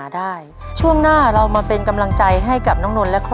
อาจจะเป็นแรงบันดาลใจให้ใครหลายคน